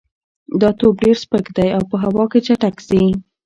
دا توپ ډېر سپک دی او په هوا کې چټک ځي.